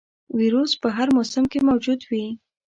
ویروس په هر موسم کې موجود وي.